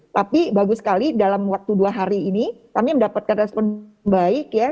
tapi bagus sekali dalam waktu dua hari ini kami mendapatkan respon baik ya